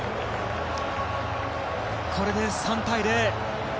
これで３対０。